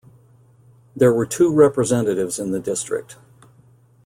There were two representatives in the district.